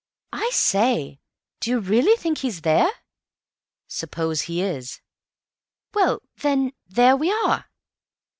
"I say, do you really think he's there?" "Suppose he is?" "Well, then, there we are."